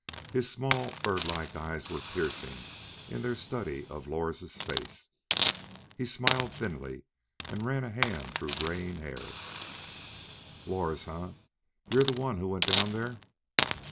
His small, bird like eyes were piercing in their study of Lors' face. He smiled thinly and ran a hand through greying hair. "Lors, huh? You the one who went down there?"